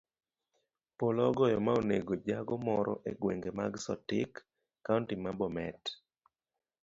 Polo ogoyo ma onego jago moro egwenge mag sotik, kaunti ma bomet .